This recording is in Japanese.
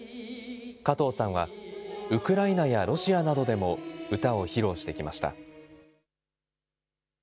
加藤さんは、ウクライナやロシアなどでも歌を披露してきました。